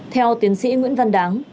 theo tiến sĩ nguyễn văn đáng